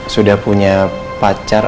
sudah punya pacar